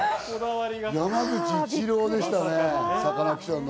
山口一郎でしたね、サカナクションの。